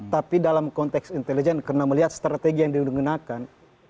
tapi dalam konteks intelijen karena melihat strategi yang digunakan